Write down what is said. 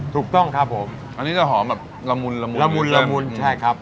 ถูกต้องครับผมอันนี้จะหอมแบบละมุนละมุนละมุนละมุนใช่ครับ